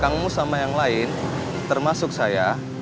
kang mus sama yang lain termasuk saya